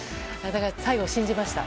最後、信じました。